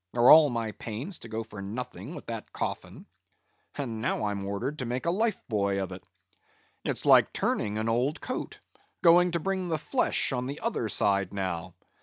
Are all my pains to go for nothing with that coffin? And now I'm ordered to make a life buoy of it. It's like turning an old coat; going to bring the flesh on the other side now.